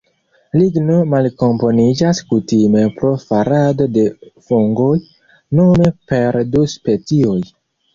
Ligno malkomponiĝas kutime pro farado de fungoj, nome per du specioj.